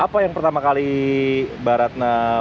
apa yang pertama kali mbak ratna